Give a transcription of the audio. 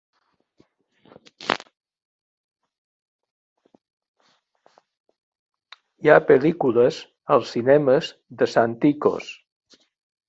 Hi ha pel·lícules als cinemes de Santikos